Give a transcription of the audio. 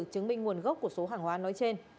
chứng minh nguồn gốc của số hàng hóa nói trên